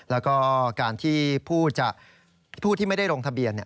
แล้วก็การที่ผู้ที่ไม่ได้ลงทะเบียน